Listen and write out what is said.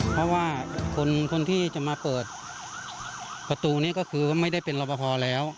เพราะว่าคนที่จะมาเปิดประตูนี้ก็คือไม่ได้เป็นรอปภแล้ว